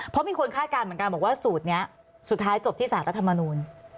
เพราะมีคนคาดการณ์เหมือนกันบอกว่าสูตรนี้สุดท้ายจบที่สารรัฐมนูล